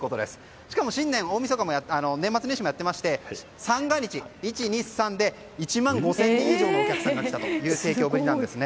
しかも年末年始もやっていまして三が日、１、２、３日で１万５０００人以上のお客さんが来たという盛況ぶりなんですね。